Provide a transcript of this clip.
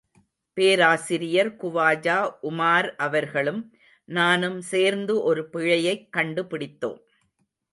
பேராசிரியர் குவாஜா உமார் அவர்களும், நானும் சேர்ந்து ஒரு பிழையைக் கண்டு பிடித்தோம்.